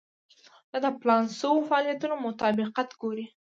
دا د پلان شوو فعالیتونو مطابقت ګوري.